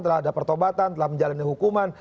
telah ada pertobatan telah menjalani hukuman